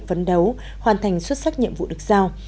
phấn đấu hoàn thành xuất sắc nhiệm vụ được giao